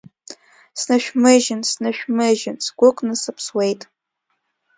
Снышәмыжьын, снышәмыжьын, сгәыкны сыԥсуеит!